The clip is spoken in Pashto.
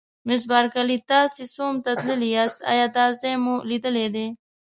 مس بارکلي: تاسي سوم ته تللي یاست، ایا دا ځای مو لیدلی دی؟